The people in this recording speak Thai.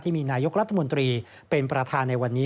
มีนายกรัฐมนตรีเป็นประธานในวันนี้